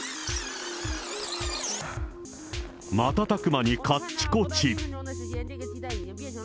瞬く間にかっちこち。